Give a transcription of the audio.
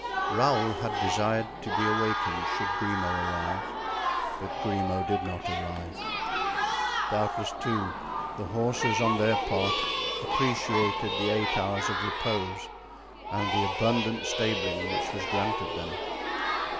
Raoul had desired to be awakened should Grimaud arrive, but Grimaud did not arrive. Doubtless, too, the horses on their part appreciated the eight hours of repose and the abundant stabling which was granted them.